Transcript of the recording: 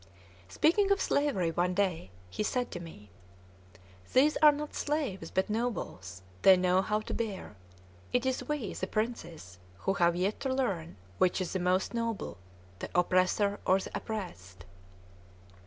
Speaking of slavery one day, he said to me: "These are not slaves, but nobles; they know how to bear. It is we, the princes, who have yet to learn which is the more noble, the oppressor or the oppressed."